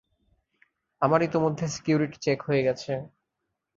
আমার ইতোমধ্যে security check হয়ে গেছে।